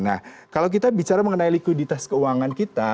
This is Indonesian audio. nah kalau kita bicara mengenai likuiditas keuangan kita